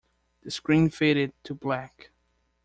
The screen faded to black.